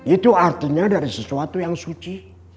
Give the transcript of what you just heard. itu artinya dari sesuatu yang suci